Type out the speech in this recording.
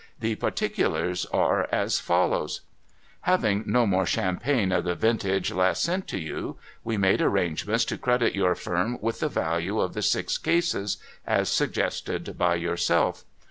The particulars are as follows :' Having no more champagne of the vintage last sent to you, we made arrangements to credit your firm with the value of the six BAD NEWS 531 cases, as suggested by yourself.